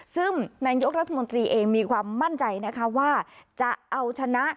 ซึ่งนายกรัฐมนตรีเองมีความมั่นใจนะคะว่าจะเอาชนะ